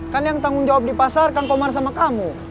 kan yang tanggung jawab di pasar kang komar sama kamu